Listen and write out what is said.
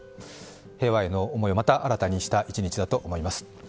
平和への思いをまた新たにした一日だと思います。